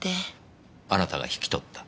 あなたが引き取った？